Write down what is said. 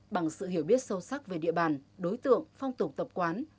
bằng sự hiểu biết sâu sắc về địa bàn đối tượng phong tục tập quán